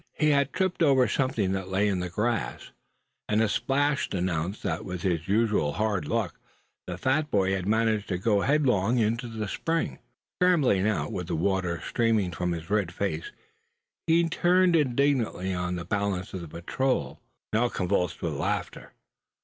He had tripped over something that lay in the grass, and a splash announced that with his usual hard luck the fat boy had managed to go headlong into the spring. Scrambling out, with the water streaming from his red face, he turned indignantly on the balance of the patrol, now convulsed with laughter.